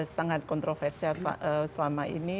sangat kontroversial selama ini